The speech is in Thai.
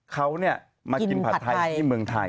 เขามากินผัดไทยที่เมืองไทย